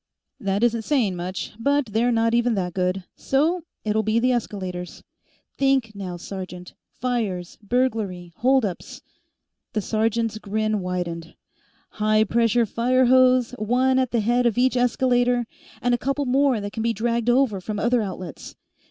"That isn't saying much, but they're not even that good. So it'll be the escalators. Think, now, sergeant. Fires, burglary, holdups " The sergeant's grin widened. "High pressure fire hose, one at the head of each escalator, and a couple more that can be dragged over from other outlets.